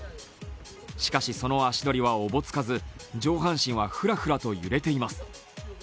しかし、その足取りはおぼつかず上半身はふらふらと揺れています。